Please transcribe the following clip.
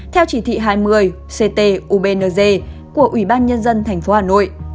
theo chỉ thị hai mươi ct ubnz của ủy ban nhân dân thành phố hà nội